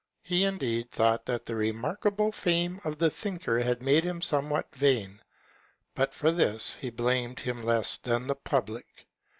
He, indeed, thought that the remarkable fame of the thinker had made him somewhat vain, but for this he blamed him less than the public.